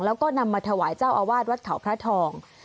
แล้วก็นำมาถวายเจ้าอาวาสวัดเขาพระทอง